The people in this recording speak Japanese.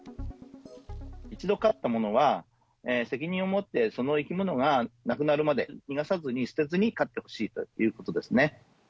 一度飼ったものは、責任を持ってその生き物が亡くなるまで、逃がさずに、捨てずに飼ってほしいということですね。